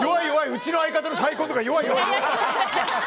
うちの相方の再婚とか弱い。